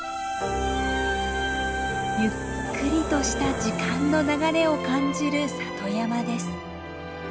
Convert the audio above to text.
ゆっくりとした時間の流れを感じる里山です。